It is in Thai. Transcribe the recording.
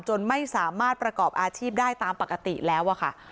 จนไม่สามารถประกอบอาชีพได้ตามปกติแล้วอะค่ะ